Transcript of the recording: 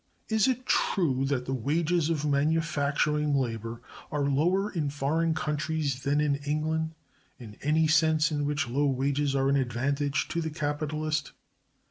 Is it true that the wages of manufacturing labor are lower in foreign countries than in England, in any sense in which low wages are an advantage to the capitalist?